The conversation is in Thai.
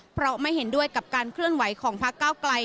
เพราะไม่เห็นด้วยกับการเคลื่อนไหวของพักเก้าไกล